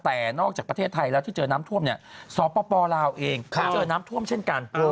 แต่นอกจากประเทศไทยแล้วที่เจอน้ำท่วมเนี่ยสปลาวเองก็เจอน้ำท่วมเช่นกัน